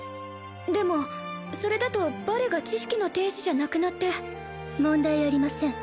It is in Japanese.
でもそれだとバレが知識の天使じゃなくなって問題ありません